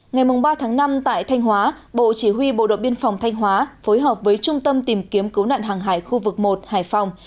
ngày ba tháng năm tại thanh hóa bộ chỉ huy bộ đội biên phòng thanh hóa phối hợp với trung tâm tìm kiếm cứu nạn hàng hải khu vực một hải phòng